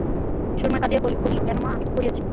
সুরমা কাঁদিয়া কহিল, কেন মা, আমি কী করিয়াছি?